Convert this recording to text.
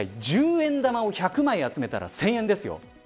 十円玉を１００枚集めたら１０００円です。